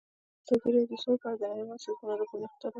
ازادي راډیو د سوله په اړه د نړیوالو سازمانونو راپورونه اقتباس کړي.